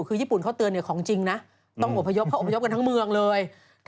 คือญี่ปุ่นเขาเตือนของจริงนะต้องอบพยพเข้าอบพยพกันทั้งเมืองเลย